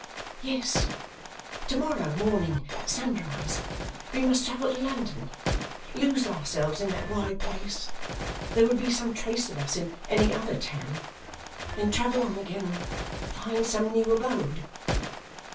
'Yes! To morrow morning at sunrise. We must travel to London; lose ourselves in that wide place there would be some trace of us in any other town then travel on again, and find some new abode.